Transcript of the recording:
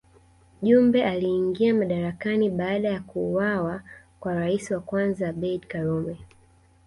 Jumbe aliingia madarakani baada ya kuuawa kwa rais wa kwanza Abeid Karume